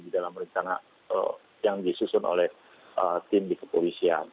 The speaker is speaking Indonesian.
di dalam rencana yang disusun oleh tim di kepolisian